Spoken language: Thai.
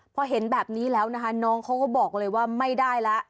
พอเห็นแบบนี้แล้วนะคะน้องเขาก็บอกเลยว่าไม่ได้แล้ว